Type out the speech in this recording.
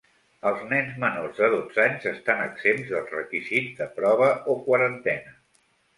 Els nens menors de dotze anys estan exempts dels requisits de prova o quarantena.